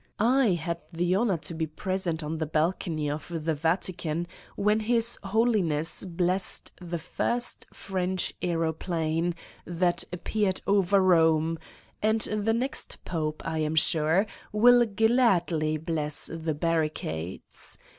... I had the honor to be present on the balcony of the Vatican when His Holiness blessed the first French aeroplane that appeared over Eome, and the next Pope, I am sure, will gladly bless the barricades.